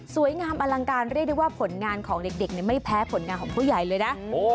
งามอลังการเรียกได้ว่าผลงานของเด็กไม่แพ้ผลงานของผู้ใหญ่เลยนะ